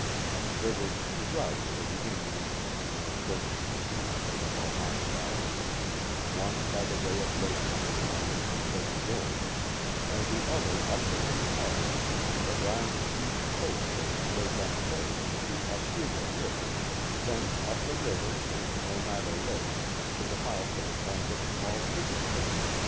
There were two routes for the Indians in their birthen canoes to the Mohawk Valley, one by the way of Lake Champlain and Lake George, and the other up the St. Law rence and around the east coast of Lake Ontario to Oswego River, thence up the river and Oneida Lake to the mouth of one of its small tributaries.